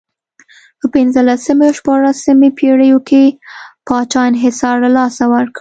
په پنځلسمې او شپاړسمې پېړیو کې پاچا انحصار له لاسه ورکړ.